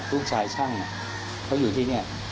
ลูกชายช่างเขาอยู่ที่นี่